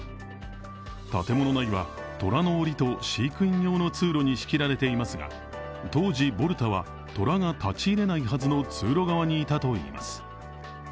建物内は、虎のおりと飼育員用の通路に仕切られていますが当時、ボルタは虎が立ち入れないはずの通路側にいたといいます。